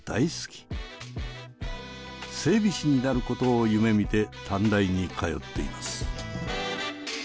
整備士になることを夢みて短大に通っています。